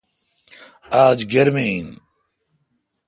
آج گرمی این۔